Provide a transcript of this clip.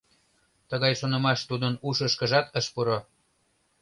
Тыгай шонымаш тудын ушышкыжат ыш пуро.